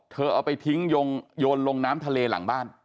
เอาไปทิ้งโยนลงน้ำทะเลหลังบ้าน